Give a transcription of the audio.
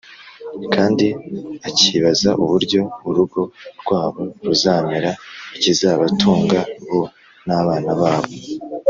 kandi akibaza uburyo urugo rwabo ruzamera, ikizabatunga bo n’abana babo.